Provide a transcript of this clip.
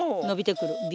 伸びてくる。